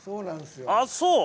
あっそう。